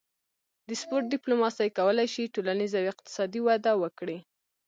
د سپورت ډیپلوماسي کولی شي ټولنیز او اقتصادي وده وکړي